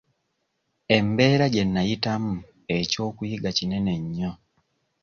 Embeera gye nnayitamu eky'okuyiga kinene nnyo.